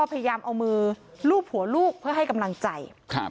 พยายามเอามือลูบหัวลูกเพื่อให้กำลังใจ